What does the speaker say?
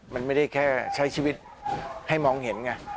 มันไม่ได้แค่ใช้ชีวิตให้มองเห็นไง